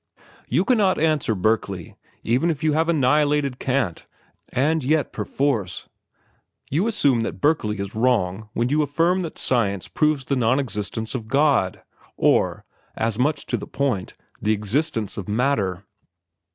"You cannot answer Berkeley, even if you have annihilated Kant, and yet, perforce, you assume that Berkeley is wrong when you affirm that science proves the non existence of God, or, as much to the point, the existence of matter.